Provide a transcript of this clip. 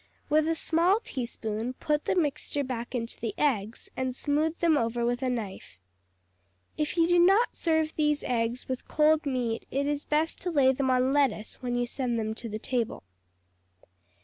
With a small teaspoon, put the mixture back into the eggs and smooth them over with a knife. If you do not serve these eggs with cold meat it is best to lay them on lettuce when you send them to the table.